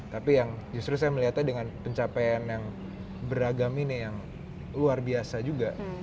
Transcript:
tapi yang justru saya melihatnya dengan pencapaian yang beragam ini yang luar biasa juga